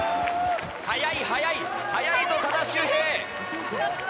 速い速い、速いぞ、多田修平。